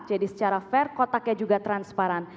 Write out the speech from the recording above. jadi secara fair kotaknya juga transparan